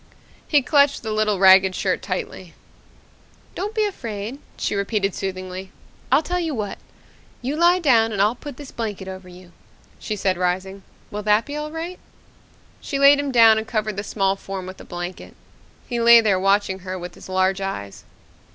He clutched the little ragged shirt tightly. "Don't be afraid," she repeated soothingly. "I'll tell you what. You lie down and I'll put this blanket over you," she said, rising. "Will that be all right?" She laid him down and covered the small form with a blanket. He lay there watching her with his large eyes.